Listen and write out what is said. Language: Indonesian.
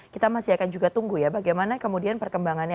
kita masih akan juga tunggu ya bagaimana kemudian perkembangannya